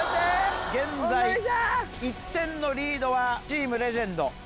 現在１点のリードはチームレジェンド。